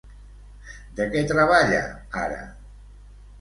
De què treballa ara?